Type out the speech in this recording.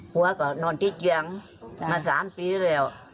หัวก็นอนที่เกียงมา๓ปีแล้ว